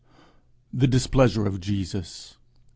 THE DISPLEASURE OF JESUS.